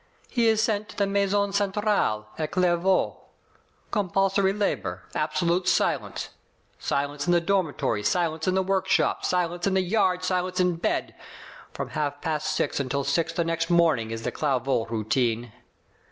He is sent to the 'Maison Gentrale' at Clairvaux. Compulsory labor, absolute silence ; silence in the dormitory, silence in the workshop, silence in the yard, silence in bed, from half past six until six the next morning is the Clairvaux routine.